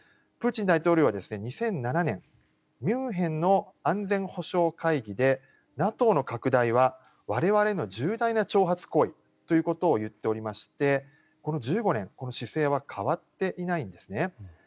プーチン大統領は２００７年ミュンヘンの安全保障会議でＮＡＴＯの拡大は、我々への重大な挑発行為ということを言っておりましてこの１５年、この姿勢は変わっていないんですね。